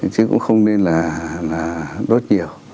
chứ cũng không nên là đốt nhiều